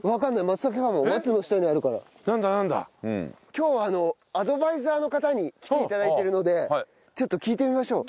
今日はアドバイザーの方に来て頂いているのでちょっと聞いてみましょう。